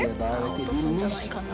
落とすんじゃないかな？